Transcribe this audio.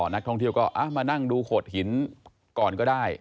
นักท่องเที่ยวก็มานั่งดูโขดหินก่อนก็ได้